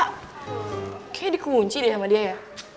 kayaknya dikunci deh sama dia ya